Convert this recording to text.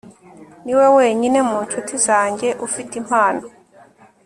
niwe wenyine mu nshuti zanjye ufite impano